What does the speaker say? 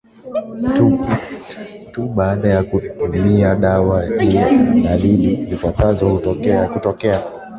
tu baada kutumia dawa hii dalili zifuatazo hutokea